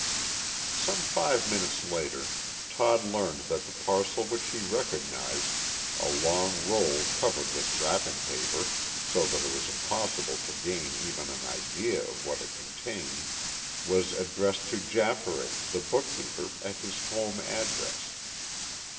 Some five minutes later Todd learned that the parcel which he recognized a long roll covered with wrapping paper, so that it was impossible to gain even an idea of what it contained was addressed to Jafferay, the bookkeeper, at his home address.